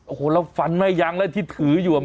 โอหนะฝันใหม่หยังที่ถืออยู่